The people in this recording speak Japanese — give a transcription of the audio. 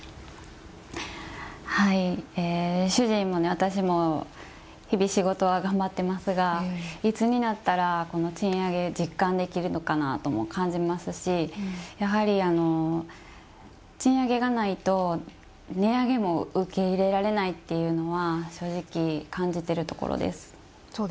主人も私も日々仕事は頑張ってますがいつになったらこの賃上げ実感できるのかなとも感じますしやはり賃上げがないと値上げも受け入れられないっていうのは正直感じてるところです。